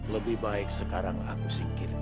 lebih baik sekarang aku singkir